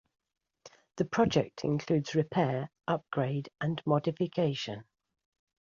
The project includes repair, upgrade and modification.